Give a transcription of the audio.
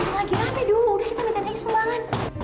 orang lagi rame do udah kita mintain aja sumbangan